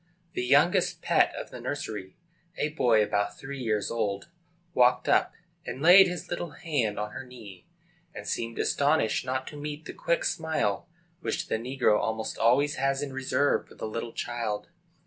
The youngest pet of the nursery, a boy about three years old, walked up, and laid his little hand on her knee, and seemed astonished not to meet the quick smile which the negro almost always has in reserve for the little child.